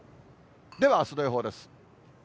ではあすの予報です。